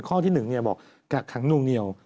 ข้อที่๑หากแบกโขดหนุ้งเนียว